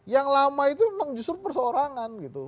yang lama itu memang justru perseorangan gitu